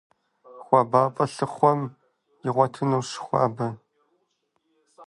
ХуабапӀэ лъыхъуэм игъуэтынущ хуабэ.